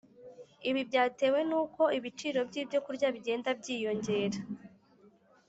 ibi byatewe n’ uko ibiciro by’ ibyo kurya bigenda byiyongera,